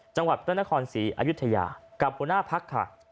จังหวัดพระนครศรีอายุทยากับหัวหน้าพักค่ะ